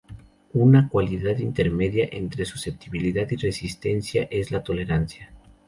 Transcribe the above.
Un cualidad intermedia entre susceptibilidad y resistencia es la tolerancia.